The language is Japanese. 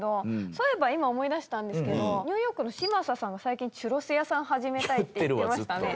そういえば今思い出したんですけどニューヨークの嶋佐さんが最近チュロス屋さん始めたいって言ってましたね。